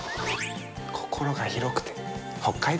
心が広くて北海道ですね。